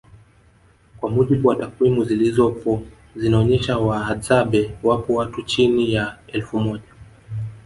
Kwa mujibu wa takwimu zilizopo zinaonesha wahadzabe wapo watu chini ya elfu moja